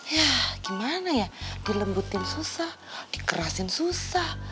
ya gimana ya dilembutin susah dikerasin susah